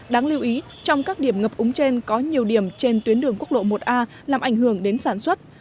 đáng lưu ý trong các điểm ngập úng trên có nhiều điểm trên tuyến đường quốc lộ một a làm ảnh hưởng đến sản xuất